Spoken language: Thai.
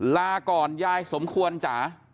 ลาก่อนยายสมควรจ๋า